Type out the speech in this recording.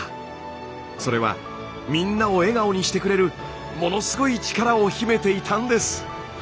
それはみんなを笑顔にしてくれるものすごい力を秘めていたんです。